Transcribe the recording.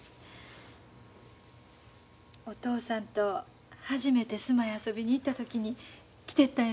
お父さんと初めて須磨へ遊びに行った時に着てったんやけどな。